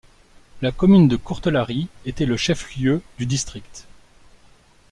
La commune de Courtelary était le chef-lieu du district.